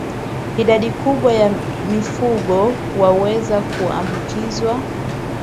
idadi kubwa ya mifugo wanaweza kuambukizwa